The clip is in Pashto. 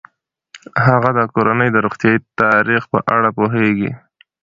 هغه د کورنۍ د روغتیايي تاریخ په اړه پوهیږي.